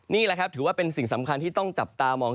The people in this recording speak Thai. นี่ถือว่าเป็นสิ่งสำคัญที่ต้องจับตามอง